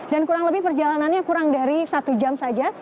dan kurang lebih perjalanannya kurang dari satu jam saja